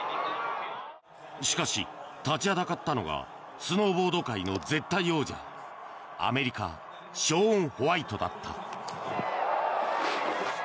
しかし、立ちはだかったのがスノーボード界の絶対王者アメリカショーン・ホワイトだった。